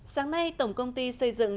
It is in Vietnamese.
sáng nay tổng công ty xây dựng